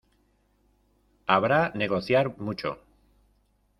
Habrá negociar mucho.